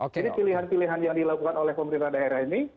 jadi pilihan pilihan yang dilakukan oleh pemerintah daerah ini